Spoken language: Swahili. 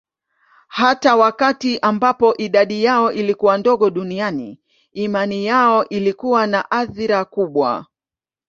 Hata wakati ambapo idadi yao ilikuwa ndogo duniani, imani yao ilikuwa na athira kubwa.